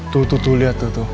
tuh tuh tuh lihat tuh